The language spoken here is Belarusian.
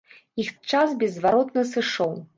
Іх час беззваротна сышоў.